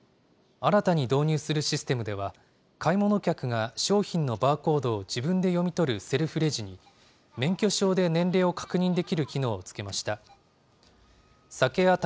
新たに導入するシステムでは、買い物客が商品のバーコードを自分で読み取るセルフレジに、免許証で年齢を確認できる機能を付けました。